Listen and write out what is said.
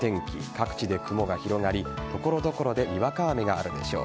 各地で雲が広がり所々でにわか雨があるでしょう。